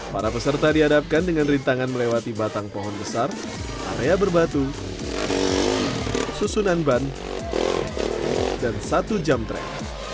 para peserta dihadapkan dengan rintangan melewati batang pohon besar area berbatu susunan ban dan satu jam track